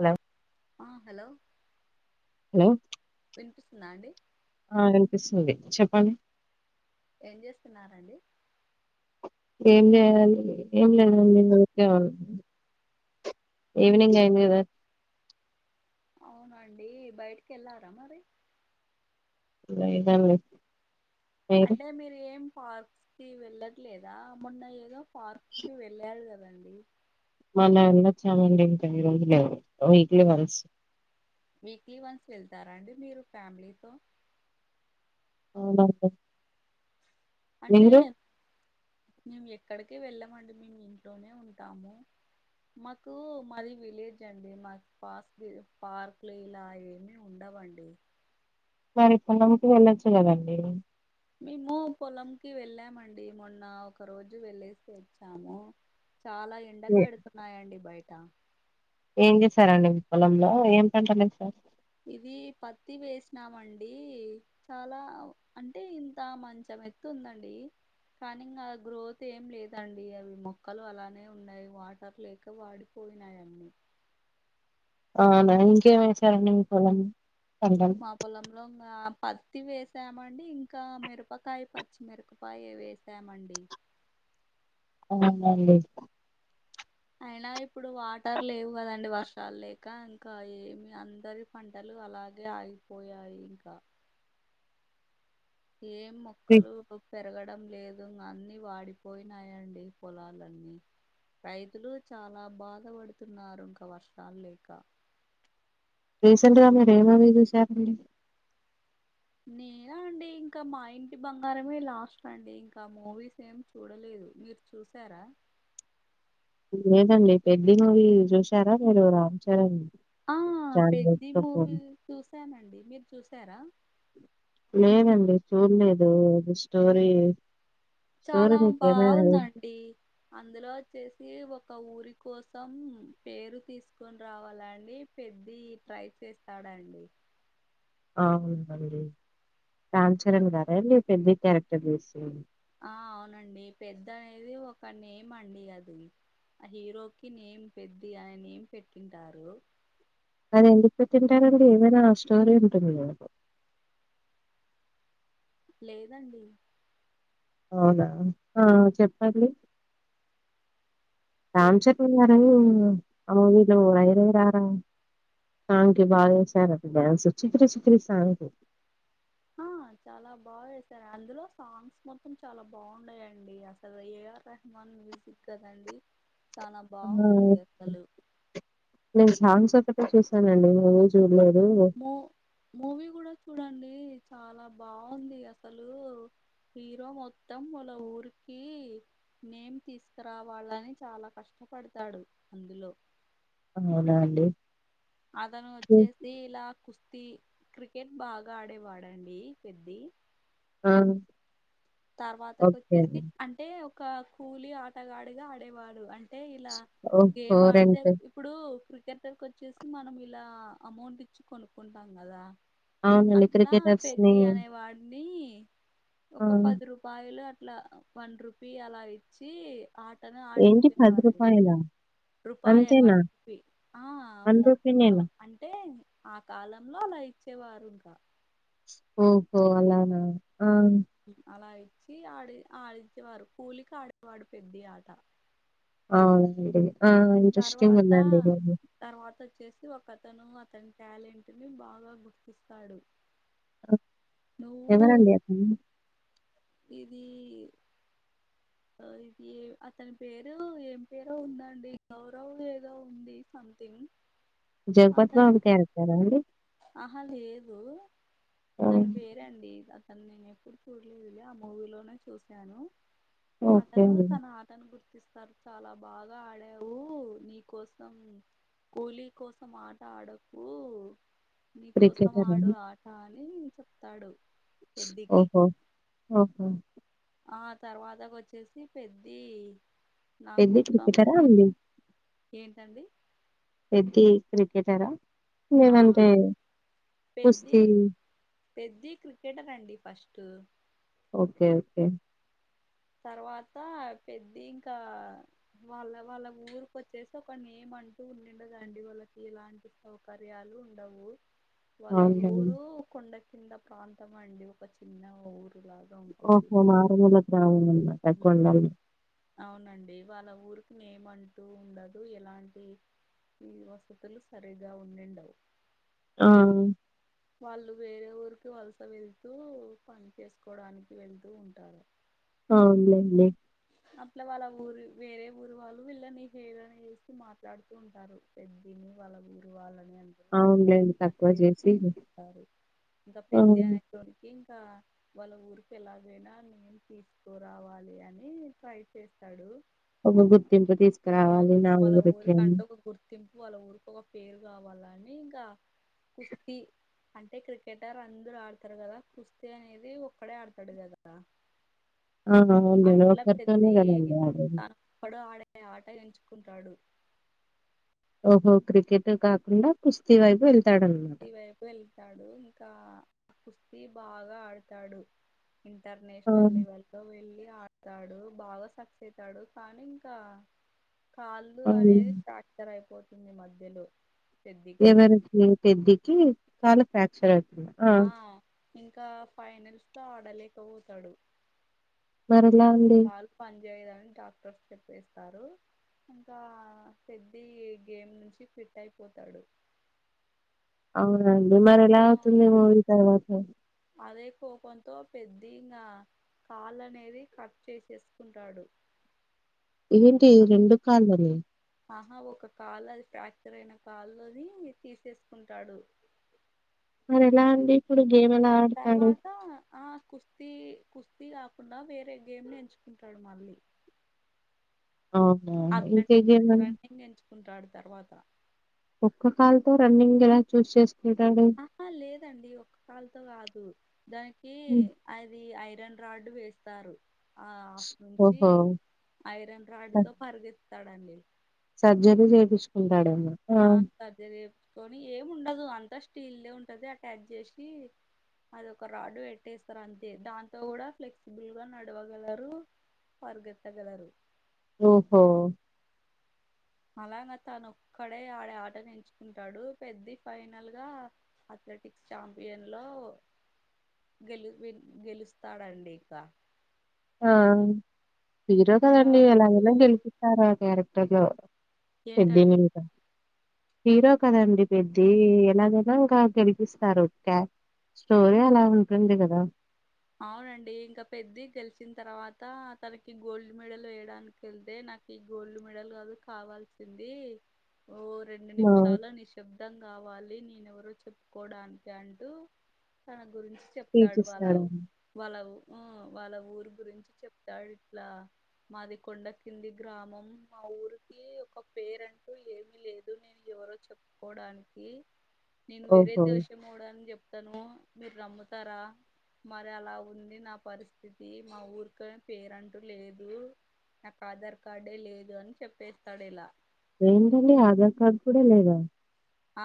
Hello ఆ hello hello విన్పిస్తుందా అండి? ఆ విన్పిస్సుంది చెప్పండి? ఏం చేస్తున్నారండి ఏం చేయాలి ఏం లేదండి ఉరికే ఉన్నా ఈవినింగ్ అయింది గదా అవునా అండి బయటికి ఎళ్ళారా మరి లేదండి అంటే మీరు ఏం పార్క్స్ కి వెళ్ళట్లేదా మోన్నా ఏదో పార్క్కి వెళ్ళారు గదండి మొన్నా నే వెళ్ళచ్చామండి ఇంకా ఇన్నీ రోజులు వీక్లి వన్స్ వీక్లీ వన్స్ వెళ్తారా అండి మీరు ఫ్యామిలీతో అవునండి అంటే మీరు మేము ఎక్కడికి వెళ్ళామండి మేము ఇంట్లోనే ఉంటాము మాకు మాది విలేజ్ అండి మా పాస్ పార్క్లు ఇలా ఏమి ఉండవండి మరి ఇప్పుడు పొలంకు వెళ్ళొచ్చు కదండి మేము పొలంకి వెళ్ళామండి మొన్న ఒక రోజు వెళ్ళేసి వచ్చాము చాలా ఎండలు ఏ- పెడుతున్నాయండి బయట ఏం చేశారండి మీ పొలంలో ఏమ్ పంటలు ఎసారు ఇది పత్తి వేసినామ అండి చాలా అంటే ఇంత మంచం ఎత్తు ఉందండి కానీ ఇంగా గ్రోత్ ఏం లేదండి అవి మొక్కలు అలానే ఉన్నాయి వాటర్ లేక వాడి పోయినాయి అన్ని అవునా ఇంకేంసారండి మీ పొలం లో మా పొలంలో ఆ ప పత్తి వేసామండి ఇంకా మిరపకాయ పచ్చిమిరపకాయ వేసామండి అవునాండి అయినా ఇప్పుడు వాటర్ లేవు గదండి వర్షాలు లేక ఇంకా ఏమి అందరు పంటలు అలాగే ఆగిపోయాయి ఇంకా ఏం రీ- మొక్కలు ఇ పెరగడం లేదు అన్ని వాడిపోయినాయండి పొలాలన్నీ రైతులు చాలా బాధపడుతున్నారు ఇంకా వర్షాలు లేక రీసెంట్ గా మీరు ఏ మూవీ చూసారండి నేనా అండి ఇంకా మా ఇంటి బంగారమే లాస్ట్ అండి ఇంకా మూవీస్ ఏం చూడలేదు మీర్ చూసారా లేదండి పెద్ది మూవీ చూసారా మీరు రామ్ చరణ్ ఆ జాన్వీ పెద్ది కపూర్ మూవీ చూసానండి మీరు చూసారా లేదండి చూడలేదు ఇది స్టోరీ స్టోరీ చాలా మీకేమైనా బాగుందండి అందులో వచ్చేసి ఒక ఊరి కోసం పేరు తీసుకొని రావాలని పెద్ది ట్రై చేస్తాడండి అవునండి రామ్ చరణ్ గారేండి పెద్ది క్యారెక్టర్ తీసి ఆ అవునండి పెద్ది అనేది ఒక నేమ్ అండి అది ఆ హీరో కి నేమ్ పెద్ది ఆ నేమ్ పెట్టి ఉంటారు అది ఎందుకు పెట్టి ఉంటారండి ఏవైనా ఆ స్టోరీ ఉంటుంది గదా లేదండి అవునా ఆ చెప్పండి పెద్ రాంచరణ్ తిన్నారా ఏంది ఊరురా ఐరిరార సాంగ్ కి బాగా చేసారూ డన్సు చిక్రీ చఖీ సాంగ్ ఆ చాలా బాగా చేసారు అందులో సాంగ్స్ మొత్తం చాలా బాగున్నాయండి అసలు ఏఆర్ రెహమాన్ మ్యూజిక్ కదండీ ఆ నేను సాంగ్స్ ఒక్కటే చూసానండి ఏమి చూడలేదు ఆ మూవీ కూడా చూడండి చాలా బాగుంది అసలు హీరో మొత్తం వాళ్ల ఊరికి నేమ్ తీసుకురావాలని చాలా కష్టపడతాడు అందులో అవునా అండి అతను హ్మ్. వచ్చేసి ఇలా కుస్తీ క్రికెట్ బాగా ఆడేవాడండి పెద్ది ఆ తర్వాతకు ఓకే వచ్చేసి అండి అంటే ఒక కూలి ఆటగాడిగా ఆడేవాడు అంటే అంతే ఇలా ఓ గేమ్ ఫోర్ అండ్ ఆడతే ఫైవ్ ఇప్పుడు క్రికెటర్కి వచ్చేసి మనం ఇలా అమౌంట్ ఇచ్చి కొనుకుంటాం కదా అవునండి అట్లా క్రికెటర్స్ ని పెద్ది అనేవాడిని ఆ! ఒక పది రూపాయలు అట్లా వన్ రూపీ అలా ఇచ్చి ఆటను ఏంటి రూ. ఆడించుకోవాలి రూపాయ అంతేనా? వన్ రూపీ ఆ రూ. మూపు నేనా? అంటే ఆ కాలంలో అలా ఇచ్చేవారు ఓహో పొవలానా ఆ అలా ఇచ్చి ఆడి ఆడించేవారు కూలికి ఆడేవాడు పెద్ది ఆట ఆ అవును అండి ఆ ఇంట్రెస్ంగ్ తర్వాత ఉందడి ఇది తర్వాత వచ్చేసి ఒక అతను అతని టాలెంట్ ని బాగా గుర్తిస్తాడు నువ్వు ఎవరండి అతను ఇది ఇది అతని పేరు ఏం పేరో ఉందండి గౌరవ్ ఏదో ఉంది సంథింగ్ జగపతి అతను బాబు క్యారెక్టర్ అండి ఆహా లేదు ఆ! తన పేరండి అతను నేను ఎప్పుడు చూడలేదులె ఆ మూవీలోనే చూశాను ఓకే అతను అండి. తన ఆటను గుర్తిస్తాడు సార్ చాలా బాగా ఆడావు నీ కోసం కూలీ కోసం ఆట ఆడొదు నీకోసం క్రికెటరా? ఆడు ఆట అని చెప్తాడు పెద్దికి ఓహో ఓహో ఆ తర్వాతకు వచ్చేసి పెద్ది నా పెద్ది కోపం క్రికెటరా అండి? ఏంటండి పెద్ది క్రికెటర్ రా ఆ లేదంటే పెద్ది కుస్తీ పెద్ది క్రికెటర్ అండి ఫస్ట్ ఓకే ఓకే తర్వాత పెద్ది ఇంకా వాళ్ళ వాళ్ళ ఊరికి వచ్చేసి ఒక నేమ్ అంటూ ఉండదండి వాళ్ళకి ఇలాంటి సౌకర్యాలు ఉండవు వాళ్ళ అవునులెండి. ఊరు కొండ కింద ప్రాంతం అండి ఒక చిన్న ఊరు లాగా ఓహో మారుముల గ్రామంనా ఊహూ అవునండి వాళ్ళ ఊరికి నేమ్మంటూ ఉండదు ఎలాంటి ఈ వసతులు సరిగా ఉండుండవ్ ఆ వాళ్ళు వేరే ఊరికి వలస వెళ్తూ పని చేసుకోడానికి వెళ్తూ ఉంటారు అవున్లెండి అట్ల వాళ్ళ ఊరు వేరే ఊరు వాళ్ళు వీళ్ళని హేళన చేస్తూ మాట్లాడుతూ ఉంటారు పెద్దిని వాళ్ళ ఊరు వాళ్ళని అంత [inaudible] అవునులెండి. తక్కువ చేసి ఇంకా ఆ! పెద్దిఅనే నికి ఇంకా వాళ్ళ ఊరికి ఎలాగైనా నేమ్ తీసుకో రావాలి అని అని ట్రై చేస్తాడు ఒక గుర్తింపు తీసుకురావాలి నా వాళ్ళ ఊరికి అని ఊరికంటే ఒక గుర్తింపు వాళ్ళ ఊరికి ఒక పేరు కావాలని ఇంకా కుస్తీ అంటే క్రికెటర్ అందరు ఆడతారు కదా కుస్తీ అనేది ఒక్కడే ఆడతాడు కదా ఆ! అవునండి. అట్లా ఒకరితోనే పెద్ది కదండీ ఆడేది. ఒకడు ఆడే ఆ ఆట ఎంచుకుంటాడు ఓహో క్రికెటే కాకుండా కుస్తీ వైపు వెళ్తాడన్న కుస్తీ వైపు వెళ్తాడు ఇంకా ఆ కుస్తీ బాగా ఆడతాడు ఆ! ఇంటర్నేషనల్ లెవెల్ వెళ్ళి ఆడతాడు బాగా సక్సెస్ అవుతాడు కానీ ఇంకా కాళ్ళు అవును. అనేది ప్యాక్చర్ అయిపోతుంది మధ్యలో పెద్దికి ఎవరికి పెద్దికి కాళ్లు ఫ్రాక్చర్ అవుతుంది ఆ ఇంకా ఫైనల్స్లో ఆడలేకపోతాడు మరెలా ఆ అండి? కాలు పని చేయదని డాక్టర్స్ చెప్పేస్తారు ఇంకా పెద్ధి ఈ గేమ్ నుంచి క్విట్ అయిపోతాడు అవునండి మరి ఎలా అవుతుంది మూవీ తర్వాత అదే కోపంతో పెద్ధి ఇంగా కాల్ అనేది కట్ చేసేసుకుంటాడు ఏంటి రెండు కాళ్ళని ఆహా ఒక కాలు అది ప్రాక్చర్ అయిన కాలుని తీసేసుకుంటాడు ఎలాఅండి ఇప్పుడు గేమ్ ఎలా ఆడతాడు? తర్వాత ఆ కుస్త కుస్తీ కుస్తీ కాకుండా వేరే గేమ్ ని ఎంచుకుంటాడు మళ్ళీ ఆహ ఇంకేంటండి కుంటాడు తర్వాత ఒక్క కాల్తో రన్నింగ్ ఎలా చూస్ చేస్త అహ లేదండి ఒక్క కాలితో కాదు దానికి హ్మ్. అది ఐరన్ రాడ్డు వేస్తారు ఆట్ నుంచి ఓహో! ఐరన్ రాడ్డుతో పరిగెత్తుతాడండి సర్జరీ చేయించుకుంటాడేమో ఆ సర్జరీ చేయించుకుని ఏం ఉండదు అంతా స్టీల్ దే ఉంటది అటాచ్ చేసి అది ఒక రాడ్డు పెట్టేస్తారు అంతే దాంతో కూడా ఫ్లెక్సిబుల్ గా నడవగలరు పరిగెత్తగలరు ఓహో అలాగ తను ఒక్కడే ఆడే ఆటను ఎంచుకుంటాడు పెద్ది ఫైనల్గా అథ్లెటిక్స్ చాంపియన్ లో గెలు విల్ గెలుస్తాడండి ఇక ఆ హీరో ఇంకా కదండి, ఎలాగైనా అప్పుడు గెలిపి పిస్తారు ఆ క్యారెక్టర్ లో, ఏంటండి పెద్దినింట హీరో కదండి పెద్ది, ఎలాగైనా ఇంకా గెలిపిస్తారు క్యా స్టోరీ అలా ఉంటుంది కదా. అవునండి ఇంక పెద్ది గెలిచిన తర్వాత తనకి గోల్డ్ మెడల్ వేయడానికి ఎళ్తే నాకు ఈ గోల్డ్ మెడల్ కాదు కావాల్సింది, ఓ రెండు ఆ నిమిషాలనేషి శబ్దం కావాలి నేనెవరో చెప్పుకోవడానికి అంటూ తన గురించి చెప్ స్పీచ్ చెప్తాడు వాళ్ళ ఇస్తాడండి వాళ్ళ ఉ వాళ్ళ ఊరి గురించి చెప్తాడు ఇట్లా. మాది కొండ కింది గ్రామం, మా ఊరికి ఒక పేరంటూ ఏమి లేదు నే ఎవరో చెప్పుకోవడానికి నేను వేరే ఓహో దేశమోడని చెప్తాను, మీరు నమ్ముతారా? మరి అలా ఉంది నా పరిస్థితి, మా ఊరిక పేరంటూ లేదు. నాకు ఆధార్ కార్డే లేదు అని చెప్పేస్తాడు ఇలా. ఏంటండీ ఆధార్ కార్డ్ కూడా లేద?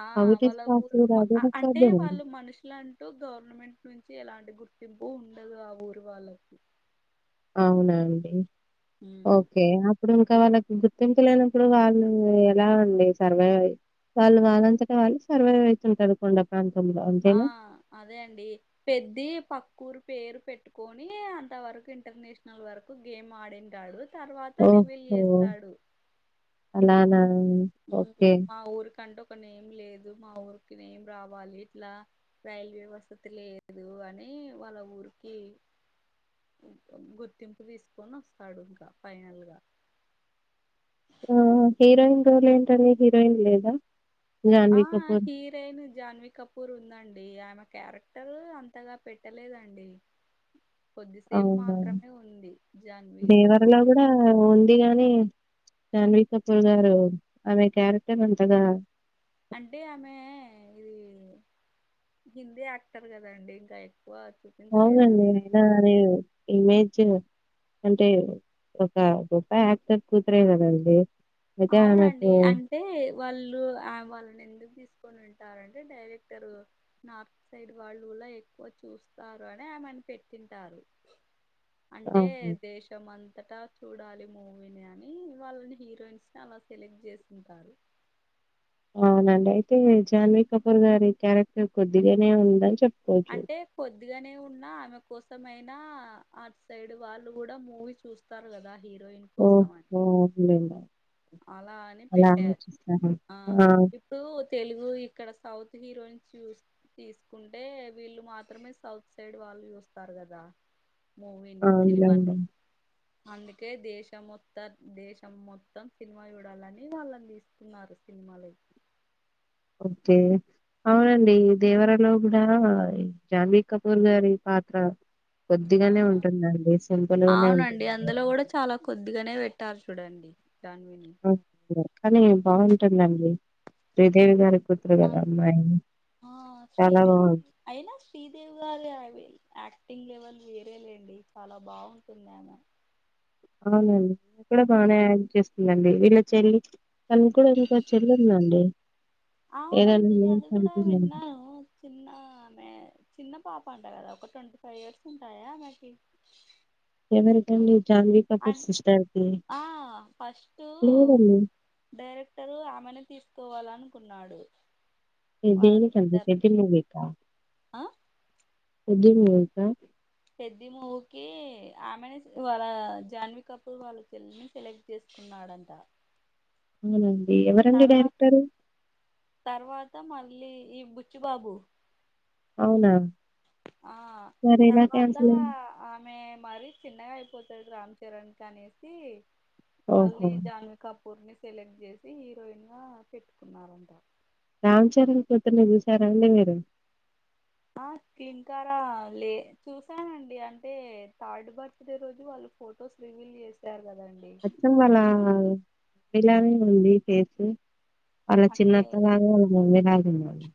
ఆ వాళ్ళ ఊర్ మ అ అదేలా అంటే సాధ్యమండి వాళ్ళు మనుషులం టు గవర్నమెంట్ నుంచి ఎలాంటి గుర్తింపు ఉండదు ఆ ఊరు వాళ్ళకి అవునా అండి, ఉమ్. ఓకే నా ఇప్పుడు ఇంకా వాళ్ళకు గుర్తింపు లేనప్పుడు వాళ్ళు ఎలా అండి సర్వైవ్ అయ్ వాళ్ళు వాదంతట వాళ్ళు సర్వైవ్ అయితుంటరు కొండ అంతంలో ఆ అదే అండి పెద్ది పక్కూరు పేరు పెట్టుకొని అంత వరకు ఇంటర్నేషనల్ వరకు గేమ్ ఆడింటాడు తర్వాత రివీల్ ఓహో చేస్తాడు అలానా ఉహు ఓకే. మా ఊరికంటు ఒక నేమ్ లేదు, మా ఊరికి నేమ్ రావాలి ఇట్లా రైల్ వ్యవస్తతి లేదు అని వాళ్ళ ఊరికి గుర్తింపు తీసుకొని వస్తాడు ఇంకా ఫైనల్ గా ఉమ్ హీరోయిన్ రోల్ ఏంటండి, హీరోయిన్ లేదా? ఆ 'జాన్వీ కపూర్'. హీ పేరు జాన్వి కపూర్ ఉందండి, ఆమె క్యారెక్టర్ అంతగా పెట్టలేదండి. కొద్దిసేపు అవునా? మాత్రమే ఉంది జాన్వీ 'దేవర'లో కపూర్ది గూడా ఉంది గని జాన్వి కపూర్ గారు ఆమె క్యారెక్టర్ అంతగా అంటే ఆమె ఇది హిందీ యాక్టర్ కదండి ఇంకా ఎక్కువ చూ అవునండి ఐనా గని ఇమేజ్ అంటే ఒక గొప్ప యాక్టర్ కూతురే కదండి. అవునండి అం టే వాళ్ళు ఆ వాళ్ళని ఎందుకు తీసుకొని ఉంటారంటే డైరెక్టర్ నార్త్ సైడ్ వాళ్ళులా ఎక్కువ చూస్తారు అని ఆమెను తెచ్చుంటారు. అంటే అవును. దేశం అంతటా చూడాలి మూవీని అని వాళ్ళని హీరోయిన్స్ అలా సెలెక్ట్ జేసుకుంటారు అవునండి అయితే జాన్వి కపూర్ గారి క్యారెక్టర్ కొద్దిగానే ఉందని చెప్ అంటే కొద్దిగానే ఉన్నా ఆమె కోసమైయినా అట్ సైడ్ వాళ్లు గూడ మూవీ చూస్త స్తారు గదా హీరోయిన్ కోసం అని ఓహోండి అలా అని అలా పెట్టారు ఆలోచిస్తారా ఆ ఇప్పుడు తెలుగు ఇక్కడ సౌత్ హీరోయిన్ చూస్ తీసుకుంటే వీళ్లు మాత్రమే సౌత్ సైడ్ వాళ్లు చూస్తారు గదా మూవీని అవునులెండి. సినిమానీ అందుకే దేశ మొత్తం దేశం మొత్ మొత్తం సినిమా జూడాలని వాళ్లని దీసుకున్నారు సినిమా లేకి ఓకే అవునండి దేవరాలో గూడ జాన్వీ కపూర్ గారి పాత్ర ఆ కొద్దిగానే ఉంటుందండి సింపుల్ గానే అవునండి ఉంటుంది అందులో కూడా చాలా కొద్దిగానే పెట్టారు చూడండి దాన్విని కానీ బావుంటుందండి శ్రీదేవి గారి కూతురు గదా అన్ అమ్మాయి ఆ చాలా శ్రీదేవి బాగుంది అయినా శ్రీదేవి గారు అ యాక్టింగ్ లెవెల్ వేరేలేండి చాలా బావుంటుంది ఆమే అవునండి ఇమే గూడ బానే యాక్టింగ్ జేస్తుందండి వీళ్ల చెల్లి తను కూడా ఇంకో చెల్లిందండి ఏదన్నా అవునండి అది కూడా మూవీ [unintelligible] విన్నాను చిన్న ఆమె చిన్న పాప అంటా గదా ఒక ట్వంటీ ఫైవ్ ఇయర్స్ ఉంటాయా ఆమెకి ఎవరికండి జాన్వి కపూర్ అం సిస్టర్ కి ఆ ఫస్ట్ లేదండీ డైరెక్టరు ఆమెనే తీసుకోవాలనుకున్నాడు ఏ వాళ్ళ దేనికండి పెద్ది సిస్టర్ని మూవీకా ఆ పెద్ది మూవీ కా పెద్ది మూవీకి ఆమెనే వాళ్ల జాహన్వీ కపూర్ వాళ్ల చెల్లిని సెలెక్ట్ చేసుకున్నాడంటా అవునాండి ఎవరండీ డైరెక్టరూ తర్వాత మళ్లీ ఈ బుచ్చిబాబు అవునా ఆ మరెలా తర్వాత క్యాన్సెలయింది? ఆమె మరీ చిన్నగా అయిపోతాది రామ్ చరణ్ కి అనేసి ఓహో! మళ్లీ జాన్వి కపూర్ ని సె సెలెక్ట్ జేసి హీరోయిన్ గా పెట్టుకున్నారంట రామ్ చరణ్ కూతుర్ని జూశారా అండి మీరు ఆ క్లీన్కారా లే చూసానండి అంటే థర్డ్ బర్త్డే రోజూ వాళ్లు ఫొటోస్ రివీల్ జేసారు గాదండి అచ్చం వాళ్ల విరిలాగానే ఉంది ఫేస్ వాళ్ల అంటే చిన్నత్త లాగా వాళ్ల మమ్మీలాగా ఉన్నది